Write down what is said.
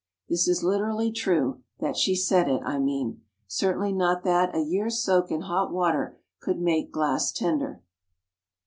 This is literally true—that she said it, I mean. Certainly not that a year's soak in hot water could make glass tender.